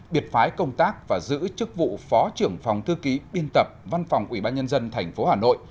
biệt phái công tác và giữ chức vụ phó trưởng phòng thư ký biên tập văn phòng ubnd tp hà nội